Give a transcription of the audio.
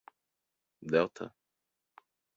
Delta